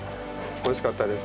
おいしかったです。